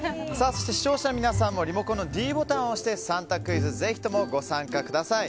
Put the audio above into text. そして、視聴者の皆さんもリモコンのｄボタンを押して３択クイズにぜひともご参加ください。